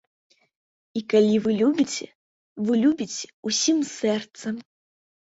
І калі вы любіце, вы любіце ўсім сэрцам.